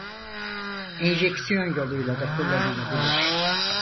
Enjeksiyon yoluyla da kullanılabilir.